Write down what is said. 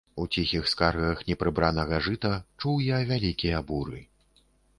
У ціхіх скаргах непрыбранага жыта чуў я вялікія буры.